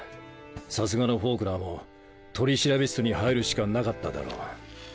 さすがのフォークナーも取調室に入るしかなかっただろう。